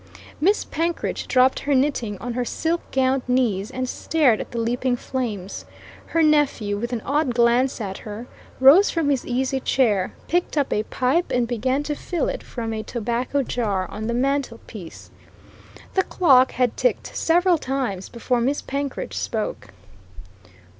Miss Penkridge dropped her knitting on her silk gowned knees and stared at the leaping flames; her nephew, with an odd glance at her, rose from his easy chair, picked up a pipe and began to fill it from a tobacco jar on the mantelpiece. The clock had ticked several times before Miss Penkridge spoke.